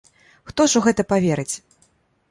Хто ж у гэта паверыць?